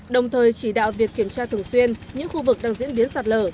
đồng thời chỉ đạo việc kiểm tra thường xuyên những khu vực đang diễn biến sạt lở